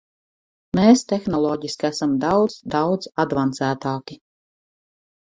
Mēs tehnoloģiski esam daudz, daudz advancētāki.